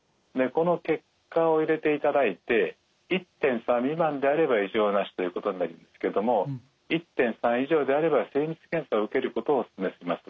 この結果を入れていただいて１．３未満であれば異常なしということになりますけども１．３以上であれば精密検査を受けることをお勧めします。